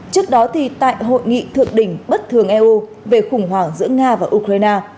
trước đó thì tại hội nghị thượng đỉnh bất thường eu về khủng hoảng giữa nga và ukraine